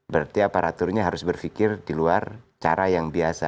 berarti aparaturnya harus berpikir di luar cara yang biasa